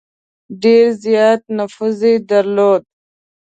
ډېر زیات نفوذ یې درلود.